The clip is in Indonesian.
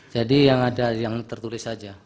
jadi yang ada yang tertulis saja